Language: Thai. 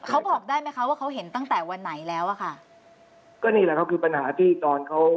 เขาบอกได้ไหมคะว่าเขาเห็นตั้งแต่วันไหนแล้วอ่ะค่ะก็นี่แหละครับคือปัญหาที่ตอนเขา